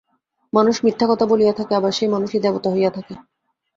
মানুষ মিথ্যা কথা বলিয়া থাকে, আবার সেই মানুষই দেবতা হইয়া থাকে।